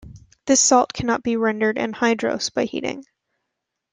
This salt cannot be rendered anhydrous by heating.